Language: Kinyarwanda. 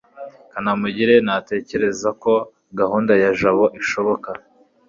kanamugire ntatekereza ko gahunda ya jabo ishoboka